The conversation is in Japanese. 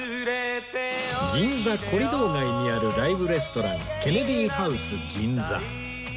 銀座コリドー街にあるライブレストランケネディハウス銀座